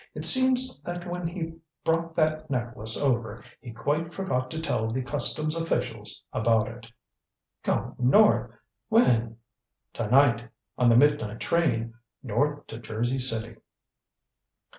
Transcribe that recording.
It seems that when he brought that necklace over he quite forgot to tell the customs officials about it." "Go north! When?" "To night. On the midnight train. North to Jersey City."